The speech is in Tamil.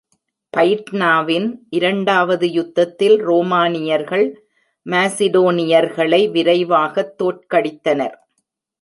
பைட்னாவின் இரண்டாவது யுத்தத்தில் ரோமானியர்கள் மாசிடோனியர்களை விரைவாகத் தோற்கடித்தனர்.